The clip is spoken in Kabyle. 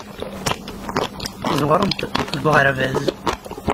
Ẓewrent deg uɣerbaz.